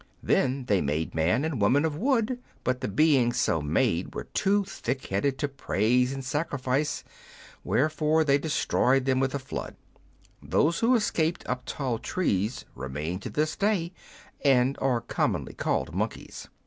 Then they made man and woman of wood, but the beings so made were too thick headed to praise and sacrifice, wherefore they destroyed them with a flood ; those who escaped up tall trees remain to this day, and are commonly called monkeys.